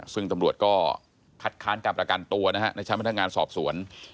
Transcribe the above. ซึ่งตำรวจก็คัดค้านการประกันตัวนะฮะในชั้นพนักงานสอบสวน